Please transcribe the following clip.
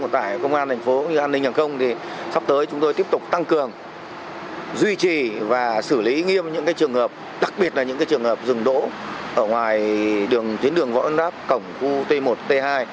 tại công an thành phố an ninh hàng không thì sắp tới chúng tôi tiếp tục tăng cường duy trì và xử lý nghiêm những trường hợp đặc biệt là những trường hợp dừng đỗ ở ngoài tuyến đường võ ân đáp cổng khu t một t hai